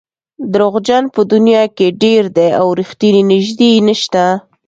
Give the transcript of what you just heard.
دروغجن په دنیا کې ډېر دي او رښتیني نژدې نشته.